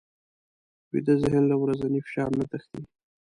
ویده ذهن له ورځني فشار نه تښتي